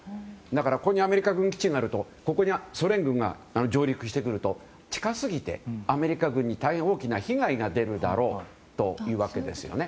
だから、ここにアメリカ軍基地があるとここにソ連軍が上陸してくると近すぎてアメリカ軍に大変大きな被害が出るだろうということです。